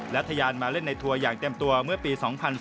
และทะยานมาเล่นในทัวร์อย่างเต็มตัวเมื่อปี๒๐๑๘